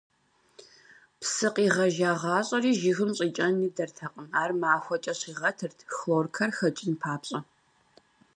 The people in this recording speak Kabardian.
Псы къигъэжагъащӀэри жыгым щӀикӀэн идэртэкъым, ар махуэкӀэ щигъэтырт, хлоркэр хэкӀын папщӀэ.